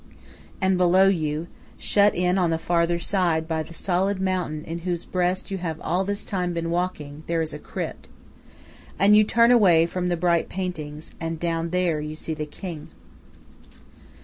And below you, shut in on the farther side by the solid mountain in whose breast you have all this time been walking, there is a crypt. And you turn away from the bright paintings, and down there you see the king.